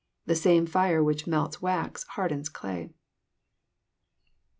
The same Are which melts wax hardens clay.